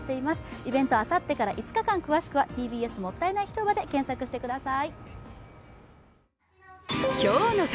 イベント、あさってから５日間、詳しくは「ＴＢＳもったない広場」で検索してください。